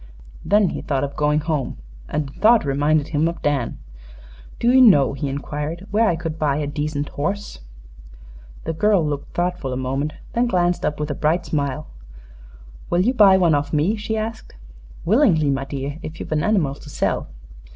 Then he thought of going home, and the thought reminded him of Dan. "Do you know," he inquired, "where I could buy a decent horse?" The girl looked thoughtful a moment; then glanced up with a bright smile. "Will you buy one off me?" she asked. "Willingly, my dear, if you've an animal to sell."